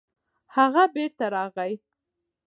هغه بېرته راغی.